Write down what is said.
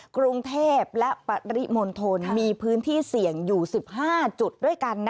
กรุงเทพและปริมณฑลมีพื้นที่เสี่ยงอยู่๑๕จุดด้วยกัน